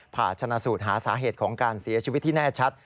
ผ่าชนะสูตรหาสาเหตุของการเสียชีวิตที่แน่ชัด